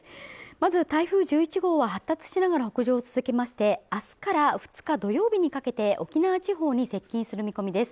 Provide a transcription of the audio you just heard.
まず台風１１号は発達しながら北上を続けまして明日から２日土曜日にかけて沖縄地方に接近する見込みです